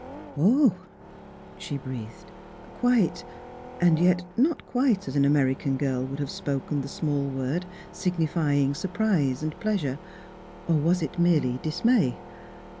" Oh! " she breathed, quite and yet not quite as an American girl would have spoken the small word signifying surprise and pleasure or was it merely dismay?